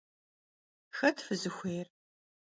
Xet fızıxuêyr?